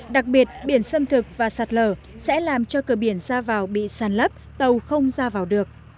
đặc biệt biển xâm thực và sạt lở sẽ làm cho cửa biển ra vào bị sàn lấp tàu không ra vào được